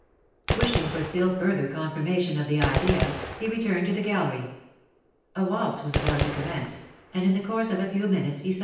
Wishing for still further confirmation of the idea, he returned to the gallery. A waltz was about to commence, and in the course of a few minutes he saw M.